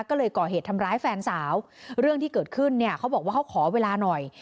ก็เลยก่อเหตุทำร้ายแฟนสาวเรื่องที่เกิดขึ้นเนี่ยเขาบอกว่าเขาขอเวลาหน่อย